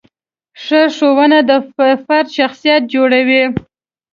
ښه ښوونه د فرد شخصیت جوړوي.